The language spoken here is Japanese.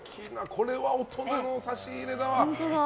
これは大人の差し入れだわ。